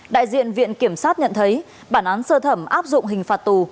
đại diện viện kiểm sát nhận thấy bản án sơ thẩm áp dụng hình phạt tù